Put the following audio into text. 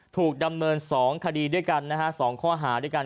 ถูกดำเนิน๒คดีด้วยกันนะฮะ๒ข้อหาด้วยกัน